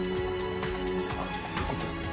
あっこっちです。